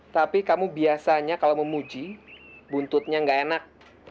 tapi kamu biasanya kalau mau muji buntutnya gak enak